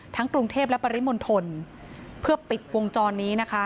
กรุงเทพและปริมณฑลเพื่อปิดวงจรนี้นะคะ